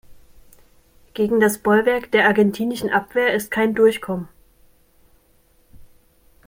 Gegen das Bollwerk der argentinischen Abwehr ist kein Durchkommen.